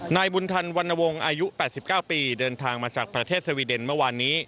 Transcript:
นายบุญธันวรรณวงศ์อายุ๘๙ปีเดินทางมาจากประเทศสวีเดนเมื่อวานนี้